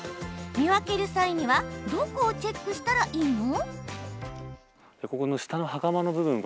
見分ける際にはどこをチェックしたらいいの？